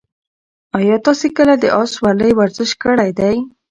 ایا تاسي کله د اس سورلۍ ورزش کړی دی؟